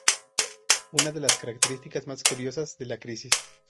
Una de las características más curiosas de la crisis.